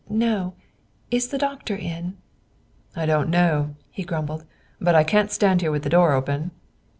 "No. Is the doctor in?" "I don't know," he grumbled, "and I can't stand here with the door open."